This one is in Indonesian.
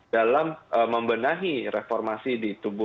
dalam membenahi reformasi di tubuh